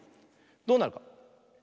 どうなるか？